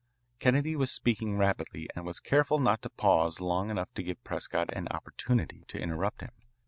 Kennedy was speaking rapidly and was careful not to pause long enough to give Prescott an opportunity to interrupt him.